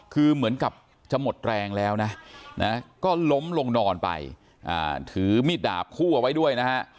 คือเหมือนกับจะหมดแรงแล้วนะก็ล้มลงนอนไปถือมีดดาบคู่เอาไว้ด้วยนะฮะ